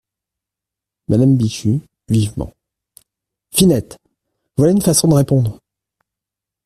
Madame Bichu , vivement. — Finette… voilà une façon de répondre !